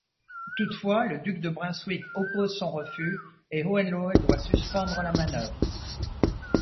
Toutefois, le duc de Brunswick oppose son refus et Hohenlohe doit suspendre la manœuvre.